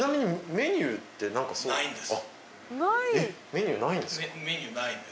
メニューないんです。